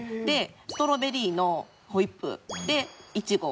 ストロベリーのホイップ。でいちご。